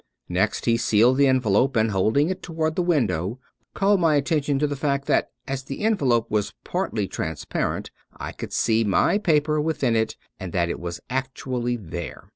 Next, he sealed the envelope, and holding it toward the window, called my attention to the fact that as the en velope was partly transparent I could see my paper within it and that it was actually there.